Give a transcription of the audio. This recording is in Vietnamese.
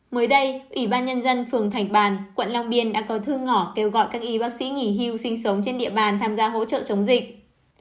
mới đây ủy ban nhân dân phường thạch bàn quận long biên đã có thư ngỏ kêu gọi các y bác sĩ nghỉ hưu sinh sống trên địa bàn tham gia hỗ trợ chống dịch